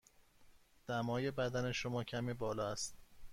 دمای بدن شما کمی بالا است.